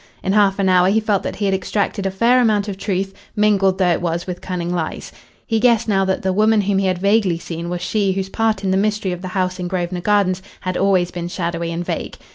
In half an hour he felt that he had extracted a fair amount of truth, mingled though it was with cunning lies. He guessed now that the woman whom he had vaguely seen was she whose part in the mystery of the house in Grosvenor Gardens had always been shadowy and vague.